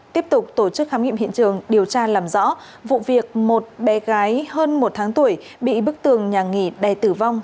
tiếp tục tổ chức khám nghiệm hiện trường điều tra làm rõ vụ việc một bé gái hơn một tháng tuổi bị bức tường nhà nghỉ đè tử vong